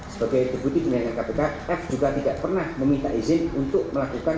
sebagai deputi penyelidikan kpk f juga tidak pernah meminta izin untuk melakukan